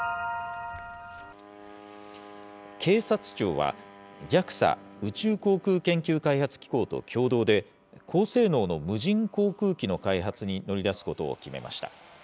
警察庁は、ＪＡＸＡ・宇宙航空研究開発機構と共同で、高性能の無人航空機の開発に乗り出すことを決めました。